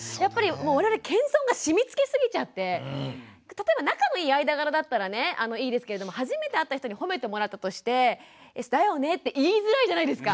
例えば仲のいい間柄だったらねいいですけれども初めて会った人に褒めてもらったとして「だよね」って言いづらいじゃないですか。